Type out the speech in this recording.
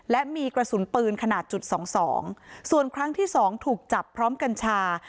และมีกระสุนปืนขนาดจุดสองสองส่วนครั้งที่สองถูกจับพร้อมกัญชา